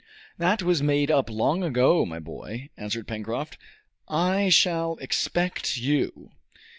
"That was made up long ago, my boy," answered Pencroft. "I shall expect you.